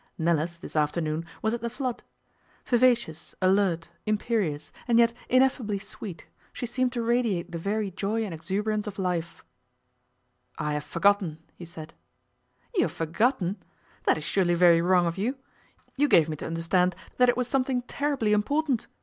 Nella's this afternoon was at the flood. Vivacious, alert, imperious, and yet ineffably sweet, she seemed to radiate the very joy and exuberance of life. 'I have forgotten,' he said. 'You have forgotten! That is surely very wrong of you? You gave me to understand that it was something terribly important.